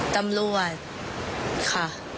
ตำรวจค่ะ